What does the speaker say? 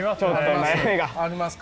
あります？